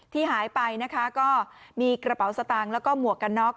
ที่หายไปนะคะก็มีกระเป๋าสตางค์แล้วก็หมวกกันน็อก